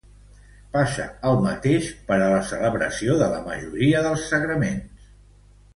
Passa el mateix per a la celebració de la majoria dels sagraments.